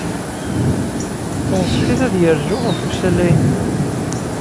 Tenṣeḥ-it ad yerzu ɣef usalay-nni.